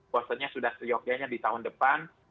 maksudnya sudah seyogyanya di tahun depan